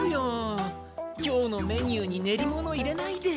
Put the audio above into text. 今日のメニューに練り物入れないで。